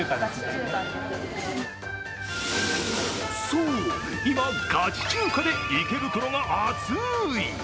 そう、今、ガチ中華で池袋が熱い。